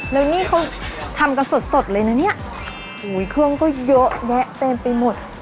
แล้วนี่เขาทำกันสดสดเลยนะเนี่ยอุ้ยเครื่องก็เยอะแยะเต็มไปหมด